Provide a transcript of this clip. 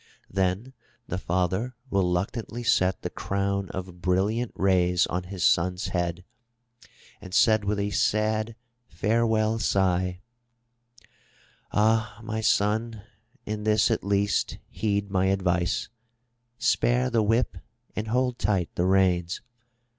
Then the father reluctantly set the crown of brilliant rays on his son's head and said with a sad farewell sigh: '*Ah, my son, in this at least heed my advice, spare the whip and hold tight the reins.